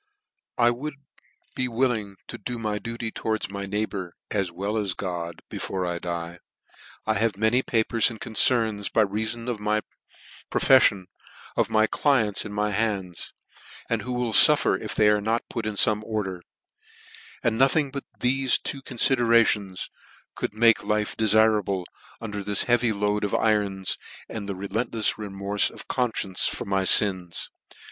" I would be willing to do my duty towards my neighbour, as well as God, before I die ; I have many papers and concerns (by reafon of my profeflion) of my clients in my hands, and who will fuffer if they are not put into fome order : and nothing but thefe two confiderations could make life defirable, under this heavy load of irons, and reftlefs remorfe of confcience for my fins.